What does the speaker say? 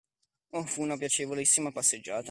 Oh, fu una piacevolissima passeggiata!